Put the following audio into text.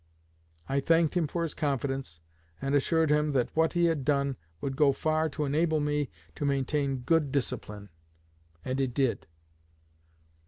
I thanked him for his confidence, and assured him that what he had done would go far to enable me to maintain good discipline; and it did."